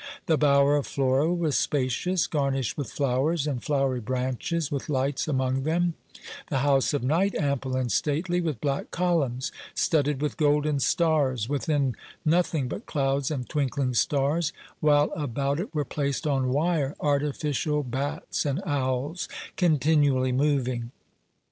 The bower of Flora was spacious, garnished with flowers and flowery branches, with lights among them; the house of Night ample and stately, with black columns studded with golden stars; within, nothing but clouds and twinkling stars; while about it were placed, on wire, artificial bats and owls, continually moving.